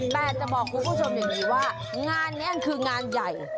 แต่จะบอกคุณผู้ชมยังว่างานนี้นั้นคืองานใหญ่